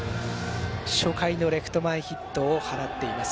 初回のレフト前ヒットを放っています。